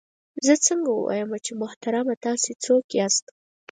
زه څنګه ووایم چې محترمه تاسې څوک یاست؟